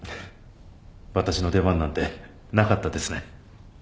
私の出番なんてなかったですね。